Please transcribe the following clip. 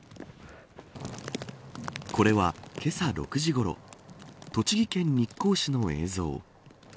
これは、けさ６時ごろ栃木県日光市の映像。